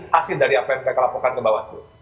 hasil dari apa yang mereka laporkan ke bawaslu